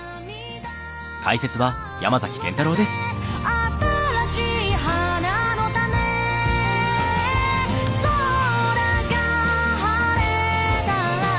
「新しい花の種」「空が晴れたら」